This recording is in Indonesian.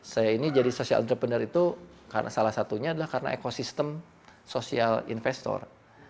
saya ini jadi social entrepreneur itu salah satunya adalah karena ekosistem social investor